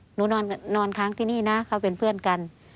หนูนอนค้างที่นี่นะเขาเป็นเพื่อนกัน